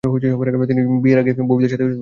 Gym বিয়ের আগে বরের সাথীদের সাথে দেখা করতে চায়।